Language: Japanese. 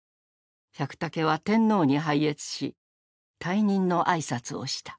百武は天皇に拝謁し退任の挨拶をした。